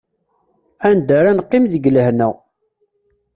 Anda ara neqqim deg lehna.